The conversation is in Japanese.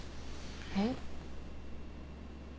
えっ？